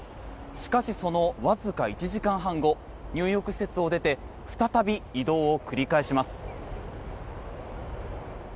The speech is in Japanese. しかし、そのわずか１時間半後入浴施設を出て再び移動を繰り返します。